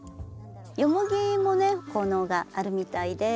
ヨモギもね効能があるみたいで。